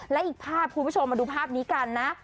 และอีกภาพคุณผู้ชมมาดูภาพนี้กันนะ